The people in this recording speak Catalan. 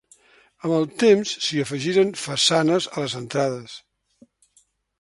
Amb el temps s'hi afegiren façanes a les entrades.